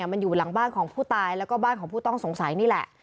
มันอยู่หลังบ้านของผู้ตายแล้วก็บ้านของผู้ต้องสงสัยนี่แหละ